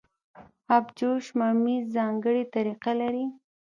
ابجوش ممیز ځانګړې طریقه لري.